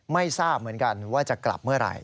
ไม่ทราบเหมือนกันว่าจะกลับเมื่อไหร่